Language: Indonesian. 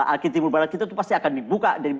alki timur barat kita tuh pasti akan dibuka